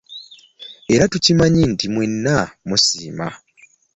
Era tukimanyi nti mwenna musiima.